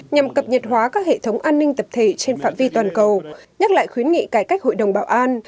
nhằm cập nhật hóa các hệ thống an ninh tập thể trên phạm vi toàn cầu nhắc lại khuyến nghị cải cách hội đồng bảo an